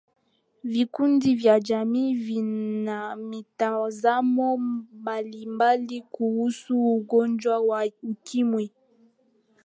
vikundi vya jamii vina mitazamo mbalimbali kuhusu ugonjwa wa ukimwi